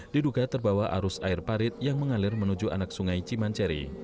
diduga terbawa arus air parit yang mengalir menuju anak sungai cimanceri